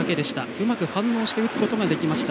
うまく反応して打つことができました。